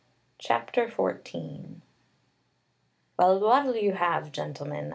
CHAPTER XIV "Well, what'll you have, gentlemen?"